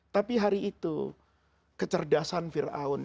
tapi hari itu kecerdasan fir'aun